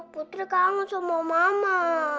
putri kangen sama mama